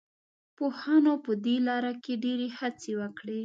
پوهانو په دې لاره کې ډېرې هڅې وکړې.